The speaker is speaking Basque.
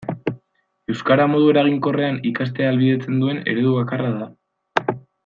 Euskara modu eraginkorrean ikastea ahalbidetzen duen eredu bakarra da.